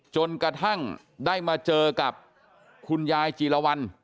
จนกระทั่งได้มาเจอกับคุณยายจีรวรรณ